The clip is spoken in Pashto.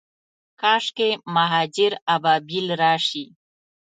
کاشکي، مهاجر ابابیل راشي